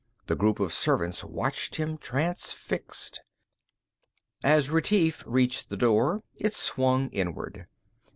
The group of servants watched him, transfixed. As Retief reached the door, it swung inward.